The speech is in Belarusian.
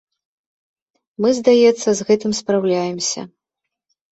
Мы, здаецца, з гэтым спраўляемся.